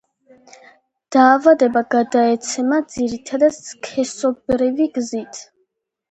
დაავადება გადაეცემა ძირითადად სქესობრივი გზით.